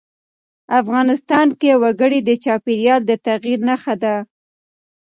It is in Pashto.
افغانستان کې وګړي د چاپېریال د تغیر نښه ده.